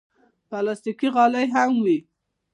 پلاستيکي غالۍ هم وي.